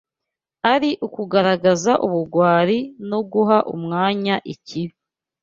ari ukugaragaza ubugwari no guha umwanya ikibi